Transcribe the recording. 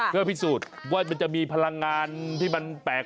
เพื่อพิสูจน์ว่ามันจะมีพลังงานที่มันแปลก